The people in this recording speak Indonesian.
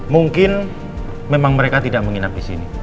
mungkin memang mereka tidak menginap di sini